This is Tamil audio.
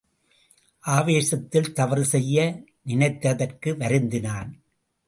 ஆவேசத்தில் தவறு செய்ய நினைத்ததற்கு வருந்தினான்.